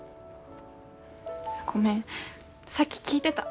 ごめんさっき聞いてた。